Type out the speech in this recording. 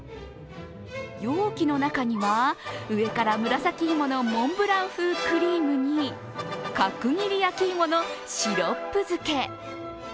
容器の中には上から紫芋のモンブラン風クリームに角切り焼き芋のシロップ漬け。